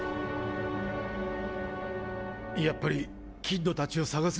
やっぱりキッドたちを捜すしか。